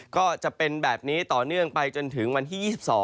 ก็จะเป็นแบบนี้ต่อเนื่องไปจนถึงวันที่๒๒